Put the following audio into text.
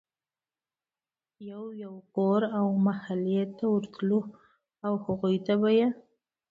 يو يو کور او محلې ته ورتلو او هغوی ته به ئي